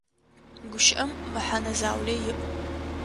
Гущыӏэм мэхьэнэ заулэ иӏ.